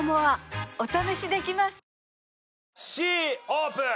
Ｃオープン！